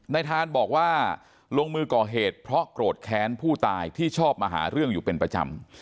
ทานบอกว่าลงมือก่อเหตุเพราะโกรธแค้นผู้ตายที่ชอบมาหาเรื่องอยู่เป็นประจำ